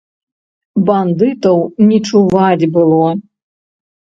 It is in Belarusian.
Бандытаў не чуваць было.